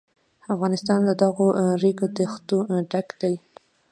افغانستان له دغو ریګ دښتو ډک دی.